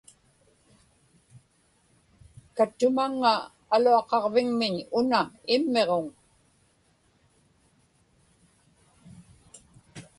kattumaŋŋa aluaqaġvigmiñ una immiġuŋ